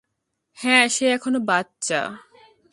হ্যাঁ, সে এখনো বাচ্চা।